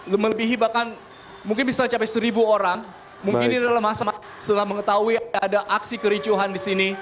lebih melebihi bahkan mungkin bisa sampai seribu orang mungkin ini adalah masa setelah mengetahui ada aksi kericuhan di sini